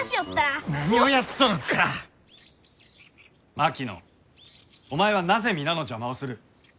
槙野お前はなぜ皆の邪魔をする？